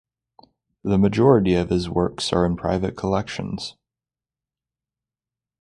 The majority of his works are in private collections.